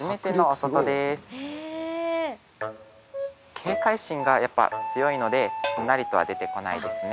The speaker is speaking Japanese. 警戒心がやっぱ強いのですんなりとは出て来ないですね。